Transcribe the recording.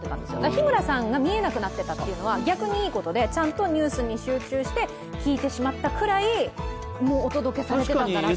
日村さんが見えなくなっていたというのは、逆にいいことでちゃんとニュースに集中して聞いてしまったくらいもうお届けされていたんだなと。